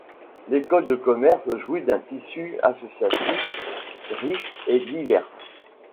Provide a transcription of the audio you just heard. L'école de commerce jouit d'un tissu associatif riche et diverse.